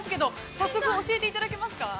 早速、教えていただけますか。